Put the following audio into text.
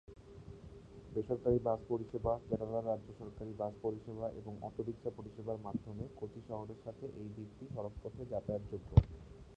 বেসরকারি বাস পরিষেবা, কেরালা রাজ্য সরকারি বাস পরিষেবা এবং অটোরিকশা পরিষেবার মাধ্যমে কচি শহরের সাথে এই দ্বীপটি সড়কপথে যাতায়াত যোগ্য।